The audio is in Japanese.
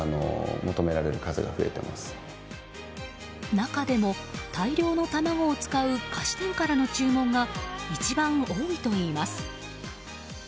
中でも、大量の卵を使う菓子店からの注文が一番多いといいます。